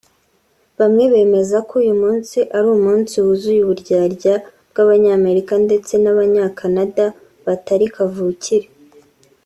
Bamwe bemeza ko uyu munsi ari umunsi wuzuye “uburyarya” bw’Abanyamerika ndetse n’Abanya Canada batari kavukire